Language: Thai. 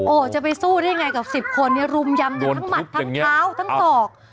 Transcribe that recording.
โอ้โหจะไปสู้ได้ไงกับ๑๐คนเนี่ยรุมยำทั้งหมัดทั้งเท้าทั้งศอก